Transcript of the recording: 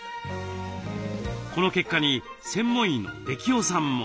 この結果に専門医の出来尾さんも。